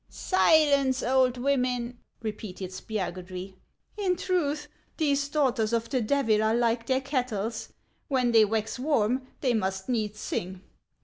" Silence, old women !" repeated Spiagudry. " In truth, these daughters of the Devil are like their kettles ; when they \vax warm, they must needs sing.